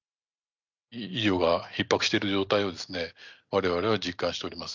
医療がひっ迫している状態を、われわれは実感しております。